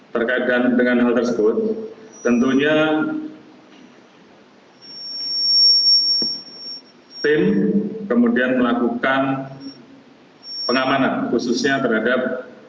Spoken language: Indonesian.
terkait dengan hal tersebut tentunya tim kemudian melakukan pengamanan khususnya terhadap